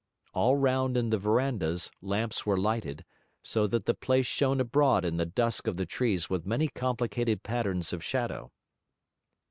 All round in the verandahs lamps were lighted, so that the place shone abroad in the dusk of the trees with many complicated patterns of shadow.